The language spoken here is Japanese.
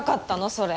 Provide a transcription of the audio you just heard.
それ！